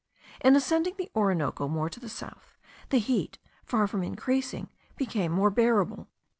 In ascending the Orinoco more to the south, the heat, far from increasing, became more bearable.